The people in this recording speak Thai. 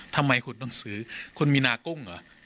ทำไมคุณต้องซื้อคุณมีนากุ้งเหรอ